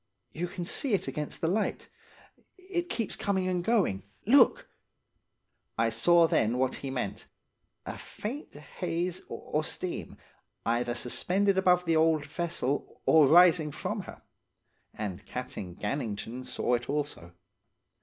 'You can see it against the light. It keeps coming and going. Look!' "I saw then what he meant–a faint haze or steam, either suspended above the old vessel or rising from her. And Captain Gannington saw it also.